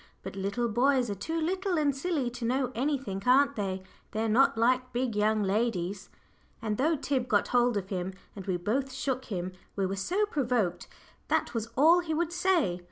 But little boys are too little and silly to know anything, aren't they? They're not like big young ladies." And though Tib got hold of him, and we both shook him we were so provoked, that was all he would say.